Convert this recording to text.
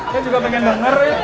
saya juga pengen denger